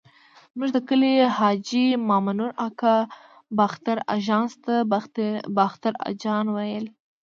زموږ د کلي حاجي مامنور اکا باختر اژانس ته باختر اجان ویل.